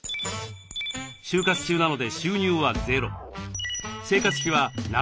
就活中なので収入はゼロ。